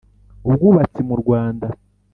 ubwubatsi mu rwanda